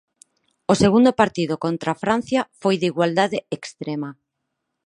O segundo partido contra Francia foi de igualdade extrema.